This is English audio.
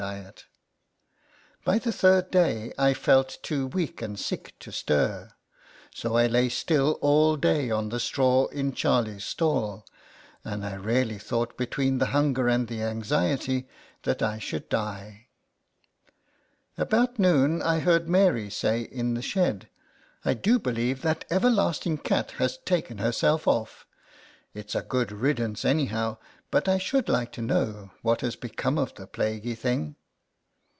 49 diet By the third day I felt too weak and sick to stir : so I lay still all day on the straw in Charlie's stall ; and I really thought, between the hunger and the anxiety, that I should die. About noon I heard Mary say in the shed, " I do believe that everlasting cat has taken herself off: it's a good riddance anyhow, but I should like to know what has become of the plaguy thing